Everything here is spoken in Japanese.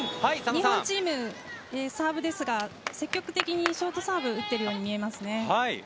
日本チーム、サーブですが積極的にショートサーブを打っているように見えますね。